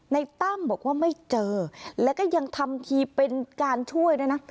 ตั้มบอกว่าไม่เจอแล้วก็ยังทำทีเป็นการช่วยด้วยนะ